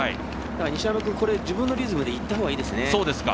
西山君、自分のリズムで行ったほうがいいですね。